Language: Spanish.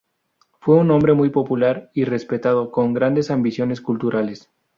Fue un hombre muy popular y respetado, con grandes ambiciones culturales.